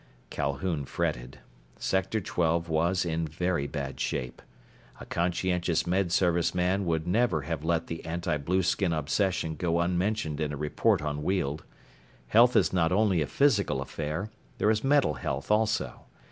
Calhoun fretted. Sector Twelve was in very bad shape. A conscientious Med Service man would never have let the anti blueskin obsession go unmentioned in a report on Weald. Health is not only a physical affair. There is mental health, also.